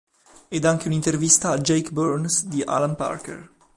Ed anche un'intervista a Jake Burns di Alan Parker